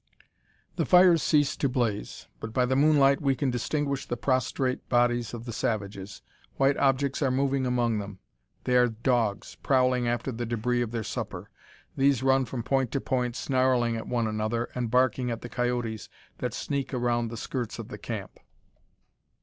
The fires cease to blaze; but by the moonlight we can distinguish the prostrate bodies of the savages. White objects are moving among them. They are dogs prowling after the debris of their supper. These run from point to point, snarling at one another, and barking at the coyotes that sneak around the skirts of the camp.